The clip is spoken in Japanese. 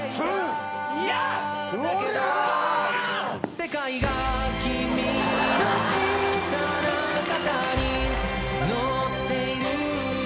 「世界が君の小さな肩に乗っているのが」